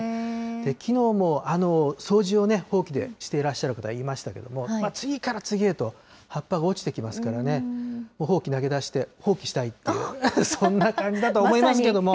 きのうも掃除をほうきでしていらっしゃる方いましたけれども、次から次へと葉っぱが落ちてきますからね、もうほうき投げ出して、放棄したいっていう、そんな感じだと思いますけども。